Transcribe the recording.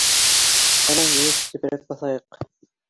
Ҡана, еүеш сепрәк баҫайыҡ...